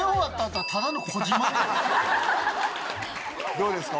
どうですか？